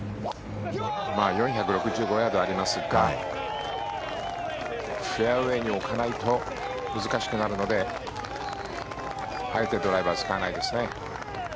４６５ヤードありますがフェアウェーに置かないと難しくなるのであえてドライバーを使わないですね。